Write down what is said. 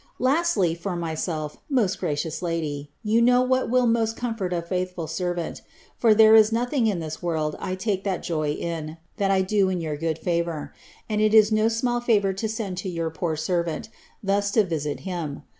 Lastly, for myself, most gracious lady, you know what will most comfort a &ithful servnnt; for there is nothing in this world I take that joy in, that I do in your good favour ; and it is no small favour to send to your pore servant, thus to vidit him.